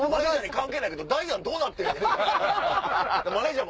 関係ないけどダイアンどうなってんねん？